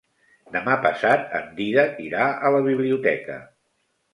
Demà passat en Dídac irà a la biblioteca.